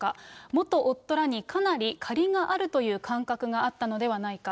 元夫らにかなり借りがあるという感覚があったのではないか。